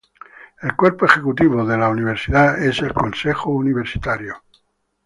El cuerpo ejecutivo de la universidad es el Consejo Universitario.